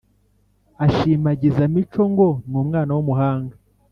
ashimagiza mico ngo numwana wumuhanga.